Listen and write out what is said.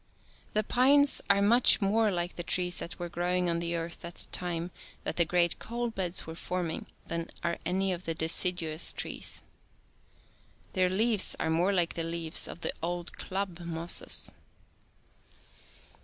The pines are much more like the trees that were growing on the earth at the time that the great coal beds were forming than are any of the deciduous trees. Their leaves are more like the leaves of the old club mosses.